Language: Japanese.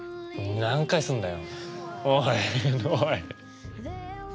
何回すんだよ！